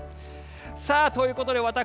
ということで私